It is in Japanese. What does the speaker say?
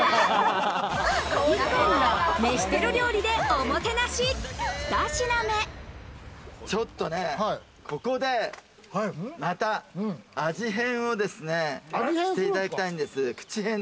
ＩＫＫＯが飯テロ料理でおもちょっとね、ここでまた味変をですね、していただきたいんです。